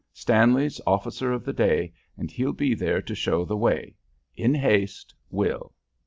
Stanley's officer of the day, and he'll be there to show the way. In haste, WILL."